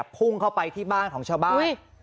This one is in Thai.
พุ่งเข้าไปที่บ้านของชาวบ้าน